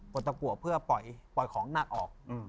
ตะกัวเพื่อปล่อยของหนักออก